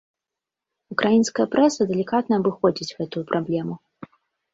Украінская прэса далікатна абыходзіць гэтую праблему.